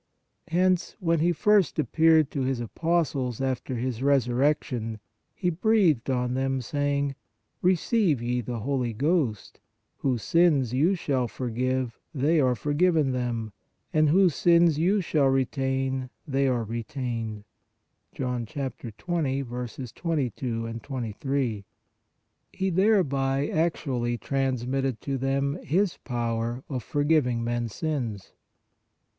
Hence, when He first appeared to His apostles after His resurrection, He breathed on them, saying :" Receive 84 PRAYER ye the Holy Ghost, whose sins you shall forgive, they are forgiven them, and whose sins you shall retain, they are retained" (John 20. 22, 23), He thereby actually transmitted to them His power of forgiving men s sins.